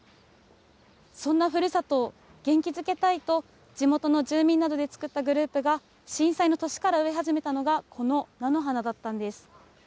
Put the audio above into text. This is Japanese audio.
そんなふるさとを元気づけたいと、地元の住民などで作ったグループが震災の年から植え始めたのがこの菜の花だったんです。